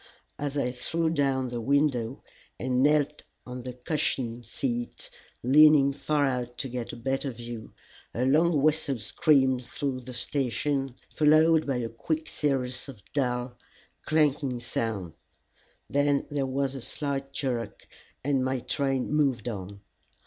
As I threw down the window and knelt on the cushioned seat, leaning far out to get a better view, a long whistle screamed through the station, followed by a quick series of dull, clanking sounds; then there was a slight jerk, and my train moved on.